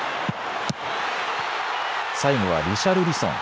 最後はリシャルリソン。